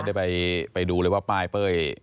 ได้ไปดูเลยว่าป้ายเป้ย